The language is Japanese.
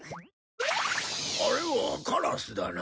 あれはカラスだな。